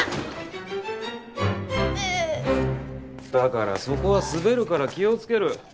だからそこは滑るから気を付ける。